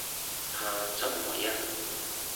他怎么样？